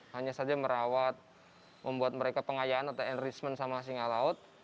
hanya saja merawat membuat mereka pengayaan atau enrichment sama singa laut